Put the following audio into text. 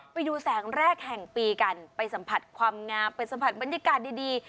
ไปดูแสงแรกแห่งปีกันไปสัมผัสความงามไปสัมผัสบรรยากาศดี